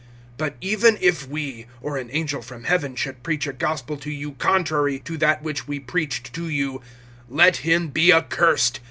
(8)But even if we, or an angel from heaven, should preach a gospel to you contrary to that which we preached to you, let him be accursed.